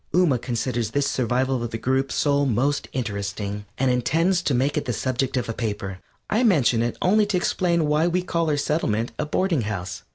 Ooma considers this survival of the group soul most interesting, and intends to make it the subject of a paper. I mention it only to explain why we call our Settlement a Boarding House.